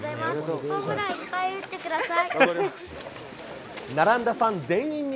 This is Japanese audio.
ホームランいっぱい打ってください。